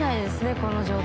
この状態。